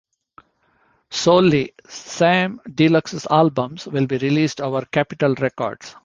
Solely Same Deluxe's albums will be released over "Capitol Records".